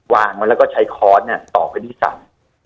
วางแล้วก็ใช้คอร์สต่อไปที่สัน